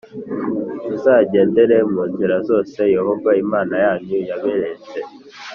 Muzagendere mu nzira zose Yehova Imana yanyu yaberetse